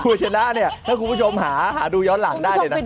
ธุรกิชน้าเนี้ยถ้าคุณผู้ชมหาหาดูย้อนหลังได้เลยน่ะตลอดเผา